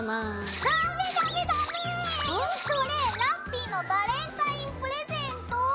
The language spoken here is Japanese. それラッピィのバレンタインプレゼント。